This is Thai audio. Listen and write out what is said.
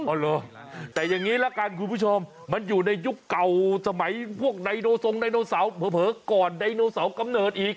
เหรอแต่อย่างนี้ละกันคุณผู้ชมมันอยู่ในยุคเก่าสมัยพวกไดโนทรงไดโนเสาร์เผลอก่อนไดโนเสาร์กำเนิดอีก